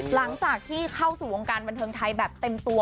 หลังจากที่เข้าสู่วงการบันเทิงไทยแบบเต็มตัว